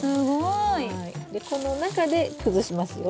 でこの中で崩しますよ。